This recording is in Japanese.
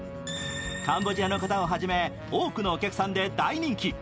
カンボジアの方をはじめ多くのお客さんで大人気。